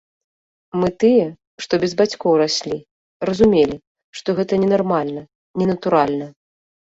Мы, тыя, што без бацькоў раслі, разумелі, што гэта ненармальна, ненатуральна.